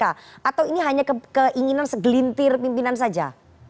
atau ini hanya keinginan segelintir pimpinan saja